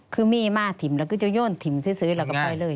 คือมีมาถิ่มแล้วก็จะโยนถิ่นซื้อเราก็ไปเลย